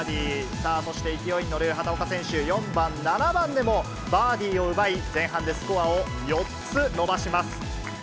さあ、そして勢いに乗る畑岡選手、４番、７番でもバーディーを奪い、前半でスコアを４つ伸ばします。